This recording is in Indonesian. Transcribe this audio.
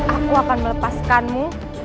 aku akan melepaskanmu